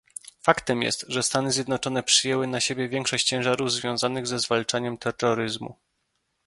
Faktem jest, że Stany Zjednoczone przyjęły na siebie większość ciężarów związanych ze zwalczaniem terroryzmu